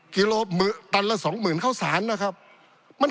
ปี๑เกณฑ์ทหารแสน๒